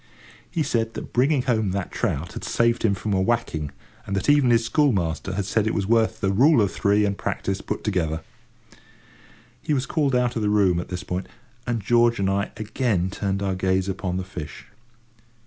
He said that bringing home that trout had saved him from a whacking, and that even his school master had said it was worth the rule of three and practice put together. He was called out of the room at this point, and George and I again turned our gaze upon the fish.